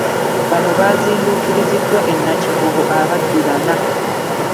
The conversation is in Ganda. Bano baaziindukiriziddwa e Nakivubo ababbi bana.